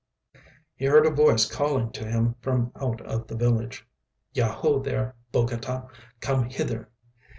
He heard a voice calling to him from out of the village. "Yaho there, Bogota! Come hither!"